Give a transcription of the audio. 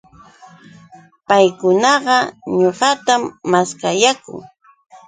Paykunaqa ñuqatam maskayanku